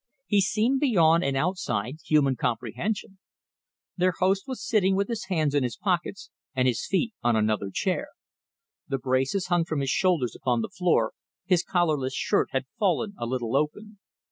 He seemed beyond and outside human comprehension. Their host was sitting with his hands in his pockets and his feet on another chair. The braces hung from his shoulders upon the floor, his collarless shirt had fallen a little open.